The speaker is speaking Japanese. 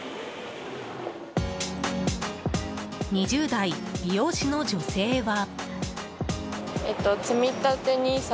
２０代美容師の女性は。